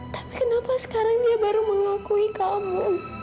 tapi kenapa sekarang dia baru mengakui kamu